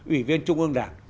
ủy viên trung ương đảng